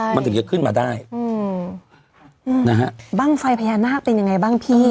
มันถึงจะขึ้นมาได้อืมนะฮะบ้างไฟพญานาคเป็นยังไงบ้างพี่